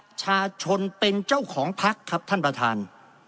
ประชาชนเป็นเจ้าของพักครับท่านประธาน